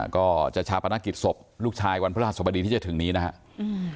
ก็จะชาปนกิจศพลูกชายวันพระราชสมดีที่จะถึงนี้นะครับ